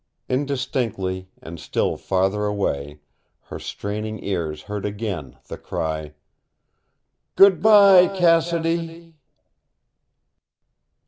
Indistinctly, and still farther away, her straining ears heard again the cry, "Goodby, Cassidy!"